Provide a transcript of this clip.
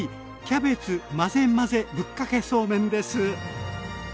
キャベツ混ぜ混ぜぶっかけそうめんです。